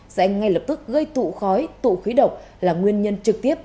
sẽ ngay lập tức gây tụ khói tụ khí độc là nguyên nhân trực tiếp